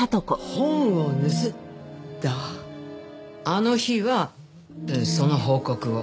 あの日はその報告を。